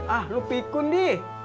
ah lu pikun di